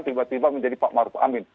tiba tiba menjadi pak maruf amin